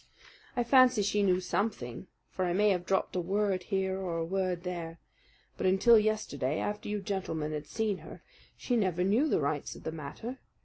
I fancy she knew something, for I may have dropped a word here or a word there; but until yesterday, after you gentlemen had seen her, she never knew the rights of the matter.